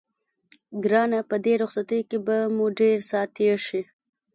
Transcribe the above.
ګرانه په دې رخصتۍ کې به مو ډېر ساعت تېر شي.